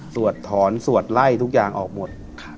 ถอนสวดไล่ทุกอย่างออกหมด